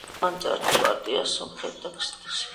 მან წაართვა პართიას სომხეთი და ქტესიფონი.